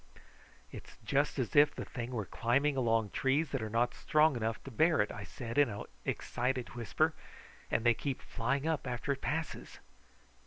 "It's just as if the thing were climbing along trees that are not strong enough to bear it," I said in an excited whisper, "and they keep flying up after it passes."